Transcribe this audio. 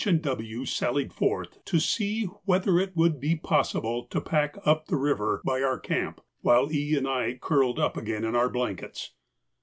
and W. sallied forth to see whether it would be possible to 'pack' up the river by our camp, while E. and I curled up again in our blankets.